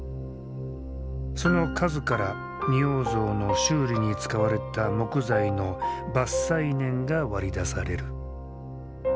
その数から仁王像の修理に使われた木材の伐採年が割り出される。